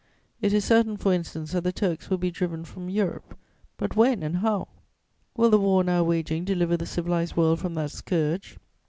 It is certain, for instance, that the Turks will be driven from Europe; but when and how? Will the war now waging deliver the civilized world from that scourge?